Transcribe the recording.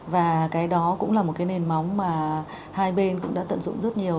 và cái đó cũng là một cái nền móng mà hai bên cũng đã tận dụng rất nhiều